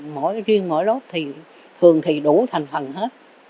mà riêng mỗi lớp thì đủ thành phần hết